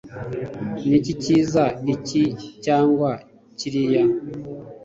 niki cyiza, iki cyangwa kiriya